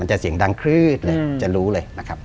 มันจะเสียงดังครืดเลยจะรู้เลย